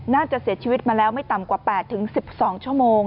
น่าจะเสียชีวิตมาแล้วไม่ต่ำกว่า๘๑๒ชั่วโมง